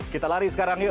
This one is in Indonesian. kita lari sekarang yuk